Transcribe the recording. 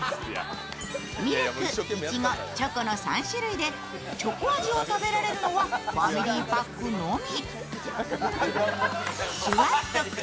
ミルク、いちご、チョコの３種類でチョコ味を食べられるのはファミリーパックのみ。